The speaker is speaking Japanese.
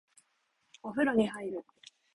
お風呂に入る